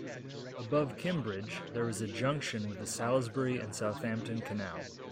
Above Kimbridge, there was a junction with the Salisbury and Southampton Canal.